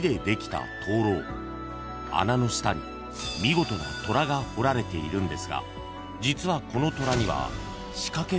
［穴の下に見事な虎が彫られているんですが実はこの虎には］